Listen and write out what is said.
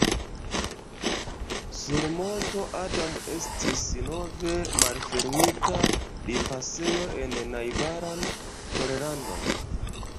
Sur monto Adam estis nove malfermita limpasejo en najbaran Pollandon.